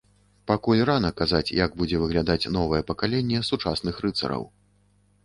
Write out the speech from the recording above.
Пакуль рана казаць, як будзе выглядаць новае пакаленне сучасных рыцараў.